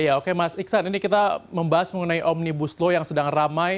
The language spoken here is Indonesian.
ya oke mas iksan ini kita membahas mengenai omnibus law yang sedang ramai